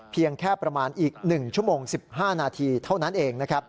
เพียงแค่ประมาณอีก๑ชั่วโมง๑๕นาทีเท่านั้นเองนะครับ